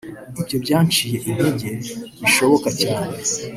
Ibyo byanciye intege bishoboka cyane